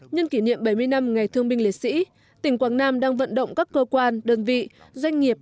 nhân kỷ niệm bảy mươi năm ngày thương binh liệt sĩ tỉnh quảng nam đang vận động các cơ quan đơn vị doanh nghiệp